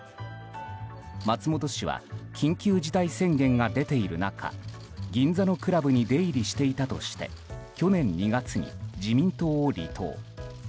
松本氏は緊急事態宣言が出ている中銀座のクラブに出入りしていたとして去年２月に自民党を離党。